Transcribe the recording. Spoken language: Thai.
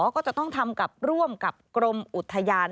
ก็จะต้องทำกับร่วมกับกรมอุทยาน